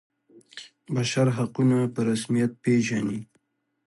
بشر حقونه په رسمیت پيژني.